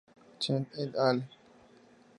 Chen et al.